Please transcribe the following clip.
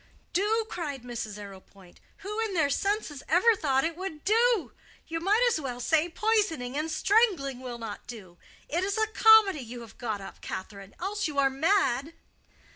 "Do!" cried Mrs. Arrowpoint; "who in their senses ever thought it would do? You might as well say poisoning and strangling will not do. It is a comedy you have got up, Catherine. Else you are mad."